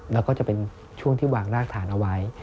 แล้วก็จะเป็นช่วงที่วางรากฐานเอาไว้